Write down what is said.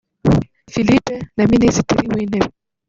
Philippe na Minisitiri w’Intebe